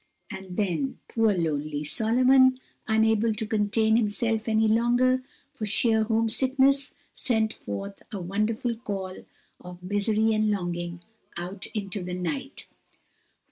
And then poor, lonely Solomon, unable to contain himself any longer, for sheer homesickness sent forth a wonderful call of misery and longing, out into the night.